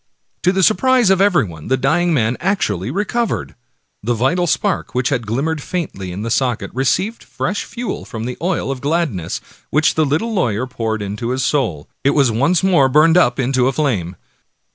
To the surprise of everybody the dying man actually recovered. The vital spark, which had glimmered faintly in the socket, received fresh fuel from the oil of gladness which the little lawyer poured into his soul. It once more burned up into a flame.